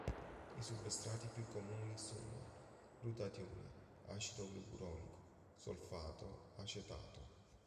I substrati più comuni sono: glutatione, acido glucuronico, solfato, acetato.